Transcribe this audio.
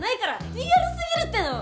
リアルすぎるっての！